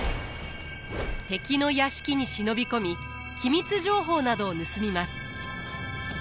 敵の屋敷に忍び込み機密情報などを盗みます。